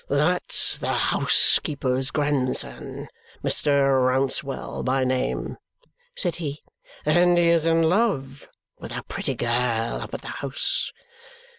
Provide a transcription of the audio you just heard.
"That's the housekeeper's grandson, Mr. Rouncewell by name," said, he, "and he is in love with a pretty girl up at the house.